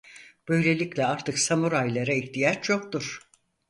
Böylelikle artık samuraylara ihtiyaç yoktur.